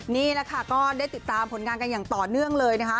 นี่แหละค่ะก็ได้ติดตามผลงานกันอย่างต่อเนื่องเลยนะคะ